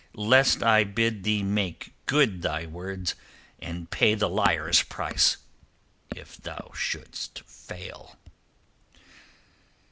Lest I bid thee make good thy words, and pay the liar's price if thou shouldst fail."